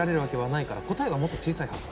ないから答えはもっと小さいはず